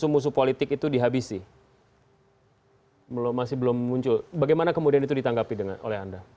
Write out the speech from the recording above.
masih belum muncul bagaimana kemudian itu ditanggapi oleh anda